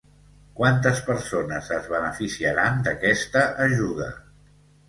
Quantes persones es beneficiaran d'aquesta ajuda?